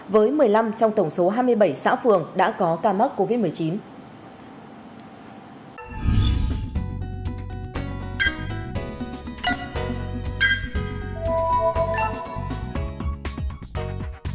với một mươi năm trong tổng số hai mươi bảy xã phường đã có ca mắc covid một mươi chín